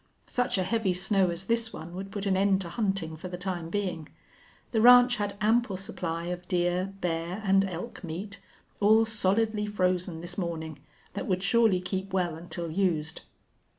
Such a heavy snow as this one would put an end to hunting for the time being. The ranch had ample supply of deer, bear, and elk meat, all solidly frozen this morning, that would surely keep well until used.